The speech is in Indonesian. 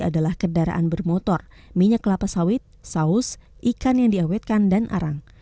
adalah kendaraan bermotor minyak kelapa sawit saus ikan yang diawetkan dan arang